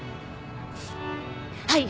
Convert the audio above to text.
はい。